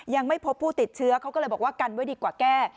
ยังไม่พบผู้ติดเชื้อเขาก็เลยบอกว่ากันไว้ดีกว่าแก้